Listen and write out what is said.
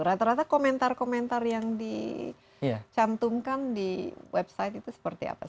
rata rata komentar komentar yang dicantumkan di website itu seperti apa